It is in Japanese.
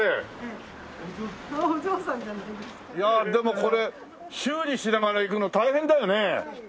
いやでもこれ修理しながらいくの大変だよね？